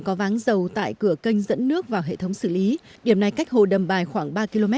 có váng dầu tại cửa kênh dẫn nước vào hệ thống xử lý điểm này cách hồ đầm bài khoảng ba km